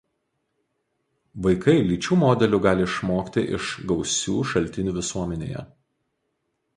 Vaikai lyčių modelių gali išmokti iš gausių šaltinių visuomenėje.